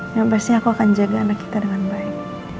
yang pasti aku akan jaga anak kita dengan baik